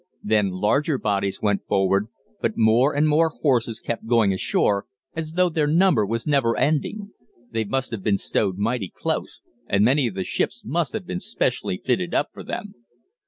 Then larger bodies went forward, but more and more horses kept going ashore, as though their number was never ending. They must have been stowed mighty close, and many of the ships must have been specially fitted up for them.